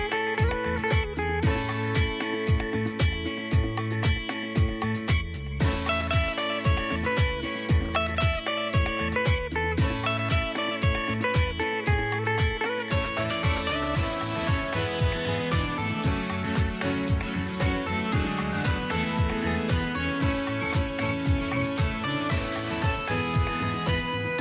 โปรดติดตามตอนต่อไป